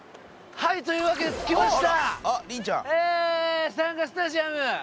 はいというわけで着きました！